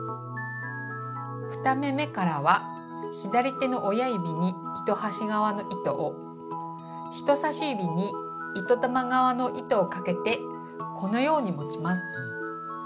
２目めからは左手の親指に糸端側の糸を人さし指に糸玉側の糸をかけてこのように持ちます。